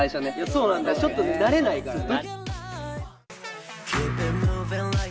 そうなんだよね、慣れないからね。